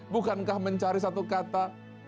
bukankah mencari satu kata